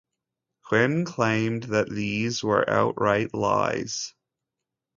Quinn claimed that these were outright lies.